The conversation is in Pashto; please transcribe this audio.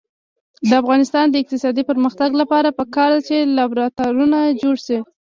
د افغانستان د اقتصادي پرمختګ لپاره پکار ده چې لابراتوارونه جوړ شي.